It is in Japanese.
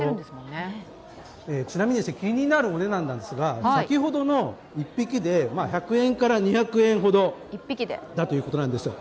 ちなみに気になるお値段ですが、先ほどの１匹で１００円から２００円ほどだということなんですよ。